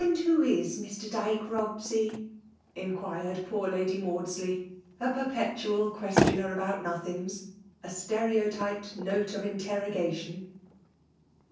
who is Mr. Dyke BobseyT inqoved poor Lady Maudaley^ a perpetual questioaer about nothings^ — a stereotyped note of int* teixogation.